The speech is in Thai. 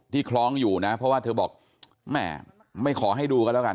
คล้องอยู่นะเพราะว่าเธอบอกแม่ไม่ขอให้ดูกันแล้วกัน